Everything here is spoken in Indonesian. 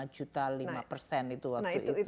lima juta lima persen itu nah itu itu